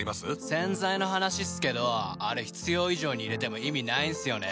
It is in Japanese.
洗剤の話っすけどあれ必要以上に入れても意味ないんすよね。